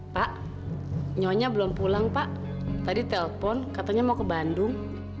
pak nyonya belum pulang pak tadi telpon katanya mau ke bandung